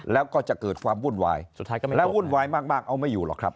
แล้วก็จะเกิดความวุ่นวายสุดท้ายแล้ววุ่นวายมากเอาไม่อยู่หรอกครับ